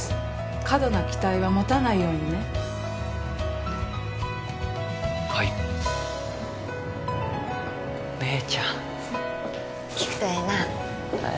過度な期待は持たないようにねはい姉ちゃん効くとええなえっ？